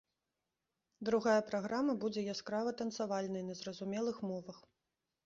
Другая праграма будзе яскрава-танцавальнай на зразумелых мовах.